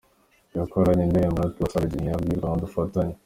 Yakoranye indirimbo na Tiwa Savage, ntiyambwira ngo dufatanye.